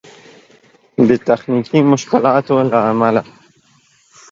د تخنيکي مشکلاتو له امله